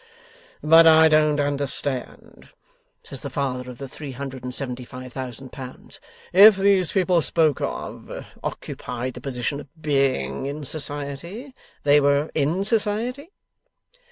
'But I don't understand,' says the Father of the three hundred and seventy five thousand pounds, ' if these people spoken of, occupied the position of being in society they were in society?